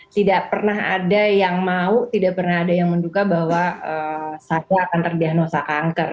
tidak pernah ada yang mau tidak pernah ada yang menduga bahwa saya akan terdiagnosa kanker